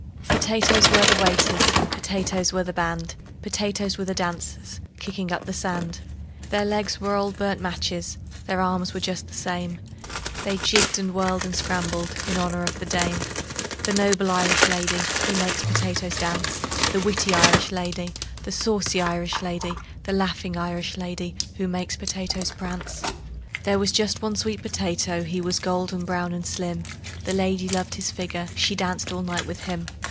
"Potatoes were the waiters, Potatoes were the band, Potatoes were the dancers Kicking up the sand: Their legs were old burnt matches, Their arms were just the same, They jigged and whirled and scrambled In honor of the dame: The noble Irish lady Who makes potatoes dance, The witty Irish lady, The saucy Irish lady, The laughing Irish lady Who makes potatoes prance. "There was just one sweet potato. He was golden brown and slim: The lady loved his figure. She danced all night with him.